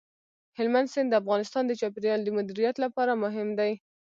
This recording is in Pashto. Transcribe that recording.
هلمند سیند د افغانستان د چاپیریال د مدیریت لپاره مهم دی.